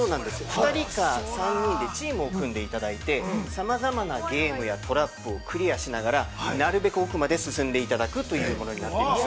２人か３人でチームを組んでいただいて、さまざまなゲームやトラップをクリアしながら、なるべく奥まで進んでいただくというものになっております。